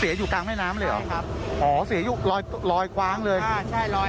เสียอยู่กลางแม่น้ำเลยเหรออ๋อเสียอยู่ลอยคว้างเลยใช่ลอย